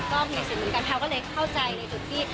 ก็มีสิทธิ์เหมือนกันแพลวก็เลยเข้าใจในจุดที่